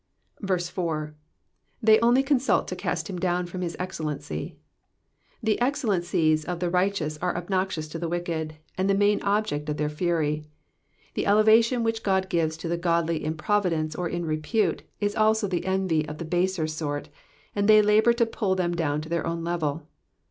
4. '''They only consult to east him dawn from his excellency,'''* The excellen cies of the righteous are obnoxious to the wicked, and the main object of their fury. The elevation which God gives to the godly in Providence, or in dispute, is also the envy of the baser sort, and they lal>our to pull them down to their own level.